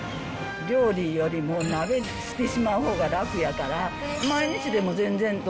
料理よりも鍋にしてしまうほうが楽やから。